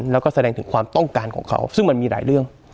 แล้วก็แสดงถึงความต้องการของเขาซึ่งมันมีหลายเรื่อง